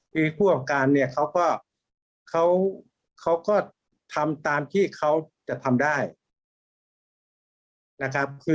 ผู้ประกอบการเขาก็ทำตามที่เขาจะทำได้นะครับ